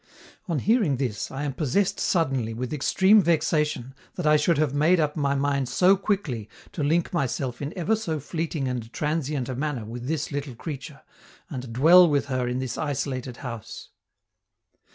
On hearing this, I am possessed suddenly with extreme vexation that I should have made up my mind so quickly to link myself in ever so fleeting and transient a manner with this little creature, and dwell with her in this isolated house.